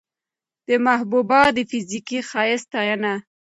د محبوبا د فزيکي ښايست ستاينه